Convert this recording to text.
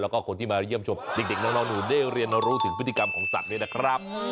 แล้วก็คนที่มาเยี่ยมชมเด็กน้องหนูได้เรียนรู้ถึงพฤติกรรมของสัตว์ด้วยนะครับ